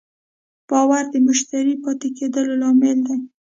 باور د مشتری پاتې کېدو لامل دی.